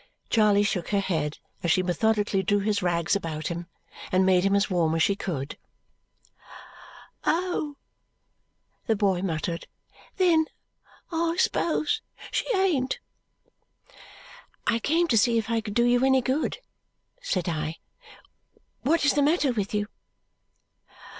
Charley shook her head as she methodically drew his rags about him and made him as warm as she could. "Oh!" the boy muttered. "Then I s'pose she ain't." "I came to see if I could do you any good," said I. "What is the matter with you?"